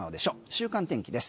週間天気です。